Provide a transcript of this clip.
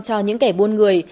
cho những kẻ buôn người